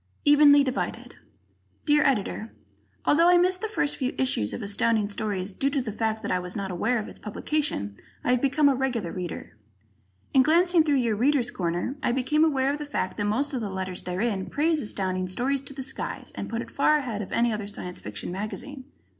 "Evenly Divided" Dear Editor: Although I missed the first few issues of Astounding Stories due to the fact that I was not aware of its publication, I have become a regular reader. In glancing through your "Readers' Corner," I became aware of the fact that most of the letters therein praise Astounding Stories to the skies, and put it far ahead of any other Science Fiction magazine.